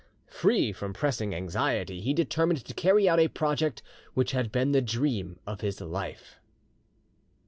Free from pressing anxiety, he determined to carry out a project which had been the dream of his life.